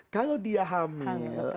kalau dia hamil